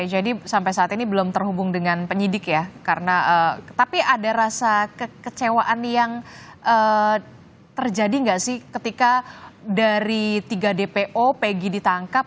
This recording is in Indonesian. jadi sampai saat ini belum terhubung dengan penyidik ya karena tapi ada rasa kekecewaan yang terjadi nggak sih ketika dari tiga dpo peggy ditangkap